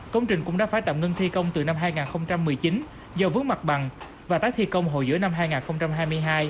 công trình cũng đã phải tạm ngưng thi công từ năm hai nghìn một mươi chín do vướng mặt bằng và tái thi công hồi giữa năm hai nghìn hai mươi hai